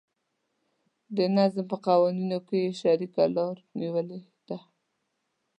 د نظم په قوانینو کې یې شریکه لاره نیولې ده.